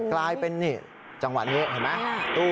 กลายเป็นนี่จังหวะนี้เห็นไหม